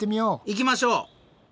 行きましょう！